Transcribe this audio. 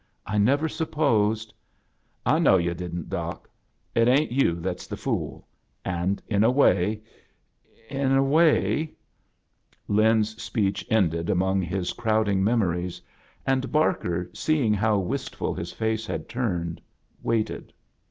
"I never supposed —" "I know yu' didn't. Doc. It ain't you that's the fool. And iEn a way — in a way —" Lin's q>eech ended among bis crowding memories, and Barker, seeii^ how wistful his face had turned, waited.